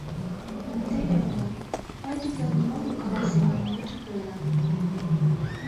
— Теве молан: мый тудлан нимом ом каласкале манын мутым пуэнам.